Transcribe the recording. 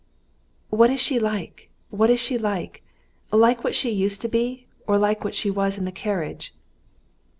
"What is she like, what is she like? Like what she used to be, or like what she was in the carriage?